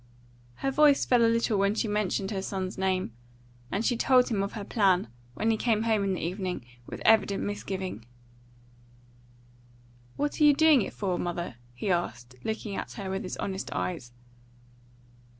Her voice fell a little when she mentioned her son's name, and she told him of her plan, when he came home in the evening, with evident misgiving. "What are you doing it for, mother?" he asked, looking at her with his honest eyes.